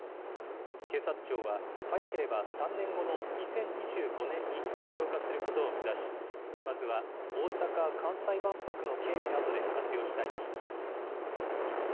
警察庁は、早ければ３年後の２０２５年に実用化することを目指し、まずは大阪・関西万博の警備などで活用したいとしています。